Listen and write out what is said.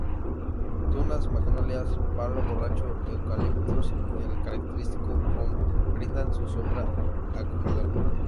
Tunas, magnolias, palo borracho, eucaliptos y el característico ombú, brindan su sombra acogedora.